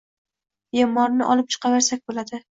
Bemorni olib chiqaversak bo`ladi